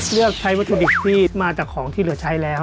เลือกใช้วัตถุดิบที่มาจากของที่เหลือใช้แล้ว